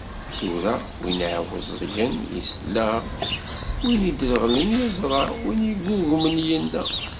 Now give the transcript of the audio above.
Tura, win iɛuẓẓgen yesla, win idreɣlen yeẓra, win yeggugmen yenna.